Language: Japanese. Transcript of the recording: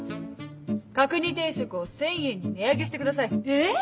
角煮定食を１０００円に値上げしてください。え！